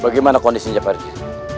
bagaimana kondisinya pak herji